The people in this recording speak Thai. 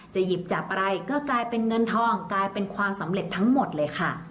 หยิบจับอะไรก็กลายเป็นเงินทองกลายเป็นความสำเร็จทั้งหมดเลยค่ะ